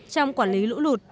trong quản lý lũ lụt